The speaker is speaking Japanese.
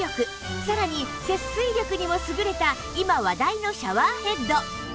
さらに節水力にも優れた今話題のシャワーヘッド